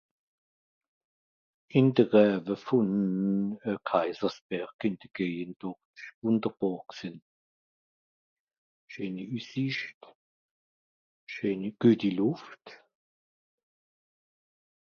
ìn de gäve vòn euh Kaysersberg ìn (de geje Dorf) wùunderbàr g'sìn scheeni üssicht scheeni gueti Lùft